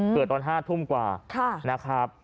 เปลือกตอนห้าทุ่มกว่าค่ะนะครับ